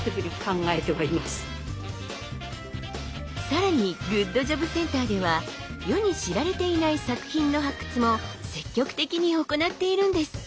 更にグッドジョブセンターでは世に知られていない作品の発掘も積極的に行っているんです。